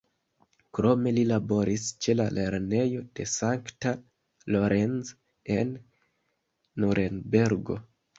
Krome li laboris ĉe la lernejo de St. Lorenz en Nurenbergo.